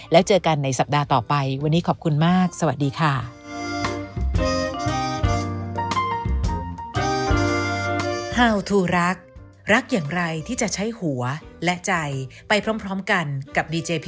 แล้วเจอกันในสัปดาห์ต่อไปวันนี้ขอบคุณมากสวัสดีค่ะ